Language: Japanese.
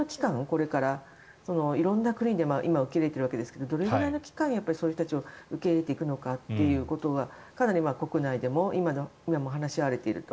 これから色んな国で今、受け入れているわけですがどれくらいの期間そういう人たちを受け入れていくのかということがかなり国内でも今も話し合われていると。